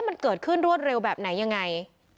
มันเกิดขึ้นรวดเร็วแบบไหนยังไง